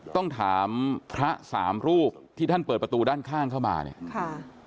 ต้องถามพระสามรูปที่ท่านเปิดประตูด้านข้างเข้ามาเนี่ยค่ะ